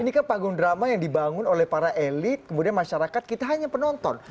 ini kan panggung drama yang dibangun oleh para elit kemudian masyarakat kita hanya penonton